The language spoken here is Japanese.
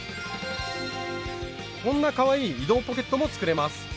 こんなかわいい「移動ポケット」も作れます。